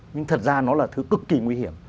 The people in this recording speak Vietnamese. nhưng thật ra nó là thứ cực kỳ nguy hiểm